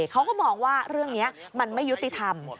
เขาก็มองว่าเรื่องนี้มันไม่ยุติธรรม